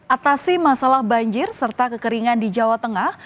atasi masalah banjir serta kekeringan di jawa tengah